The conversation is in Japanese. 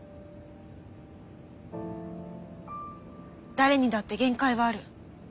誰にだって限界はある。